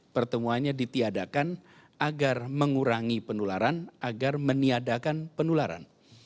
pertemuannya ditiadakan agar mengurangi pendularan agar meniadakan pendularan